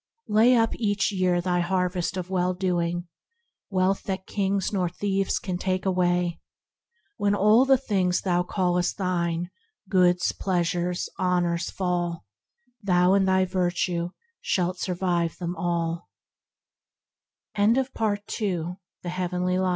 "Lay up each year Thy harvest of well doing, wealth that kings Nor thieves can take away. When all the things Thou callest thine, goods, pleasures, honors fall, Thou in thy virtue shalt survive them T all."